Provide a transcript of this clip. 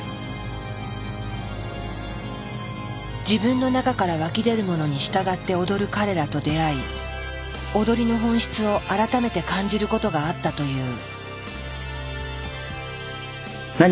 自分の中から湧き出るものに従って踊る彼らと出会い踊りの本質を改めて感じることがあったという。